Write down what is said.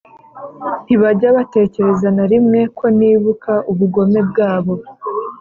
Ntibajya batekereza na rimwe ko nibuka ubugome bwabo!